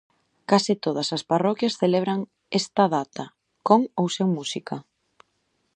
Case todas as parroquias celebran esta data - con ou sen música -.